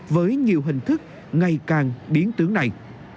với nhiều hình thức ngày càng biến tướng này